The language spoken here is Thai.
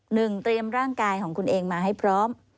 เตรียมร่างกายของคุณเองมาให้พร้อม